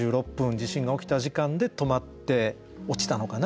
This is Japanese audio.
地震が起きた時間で止まって落ちたのかな？